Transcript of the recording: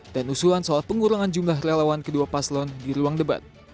dan usulan soal pengurangan jumlah relawan kedua paslon di ruang debat